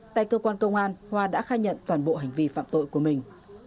tại cơ quan công an hoa đã khai nhận toàn bộ hành vi phạm tội của mình